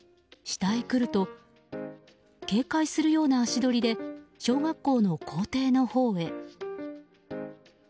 下へ来ると警戒するような足取りで小学校の校庭のほうへ。